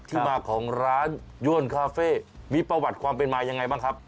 ที่มาของร้านยวนคาเฟ่มีประวัติความเป็นมายังไงบ้างครับ